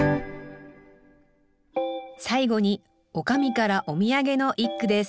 最後に女将からお土産の一句です